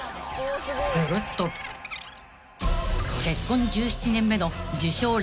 ［結婚１７年目の自称